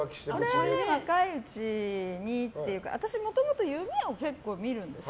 これは若いうちにというか私もともと夢を結構見るんです。